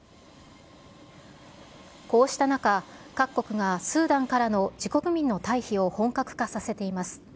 こうした中、各国がスーダンからの自国民の退避を本格化させています。